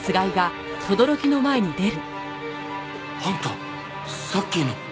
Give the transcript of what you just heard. あんたさっきの。